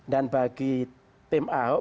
dan bagi tim ahok